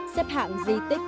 xếp hạng dì tích